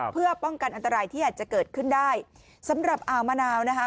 เพื่อป้องกันอันตรายที่อาจจะเกิดขึ้นได้สำหรับอ่าวมะนาวนะคะ